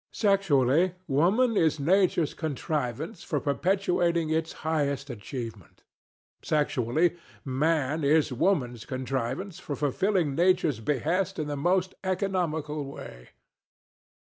Sexually, Woman is Nature's contrivance for perpetuating its highest achievement. Sexually, Man is Woman's contrivance for fulfilling Nature's behest in the most economical way.